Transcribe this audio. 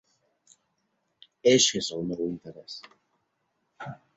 Eixe és el meu interès.